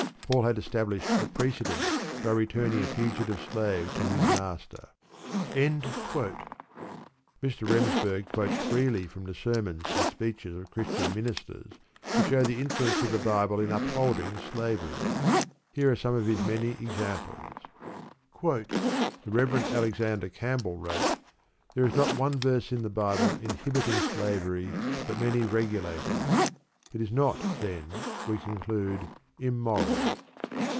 Paul had established a precedent by returning a fugitive slave to his master. Mr. Remsburg quotes freely from the sermons and speeches of Christian ministers to show the influence of the Bible in upholding slavery. Here are some of his many examples: The Rev. Alexander Campbell wrote: "There is not one verse in the Bible inhibiting slavery, but many regulating it. It is not, then, we conclude, immoral."